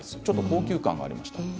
ちょっと高級感がありました。